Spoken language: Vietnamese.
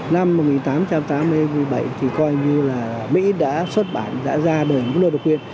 năm một nghìn tám trăm tám mươi bảy thì coi như là mỹ đã xuất bản đã ra đời ngũ độc quyền